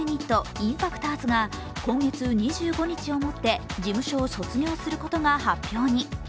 ＩＭＰＡＣＴｏｒｓが今月２５日をもって事務所を卒業することが発表に。